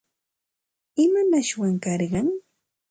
¿Imanashwan karqan?